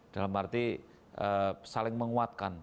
dalam arti saling menguatkan